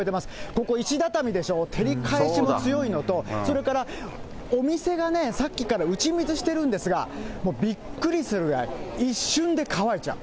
ここ、石畳でしょ、照り返しも強いのと、それからお店がね、さっきから打ち水してるんですが、もうびっくりするぐらい、一瞬で乾いちゃう。